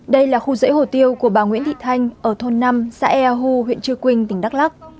đây là khu dãy hồ tiêu của bà nguyễn thị thanh ở thôn năm xã ea hu huyện trư quynh tỉnh đắk lắc